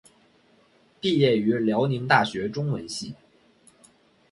毕业于辽宁大学中文系。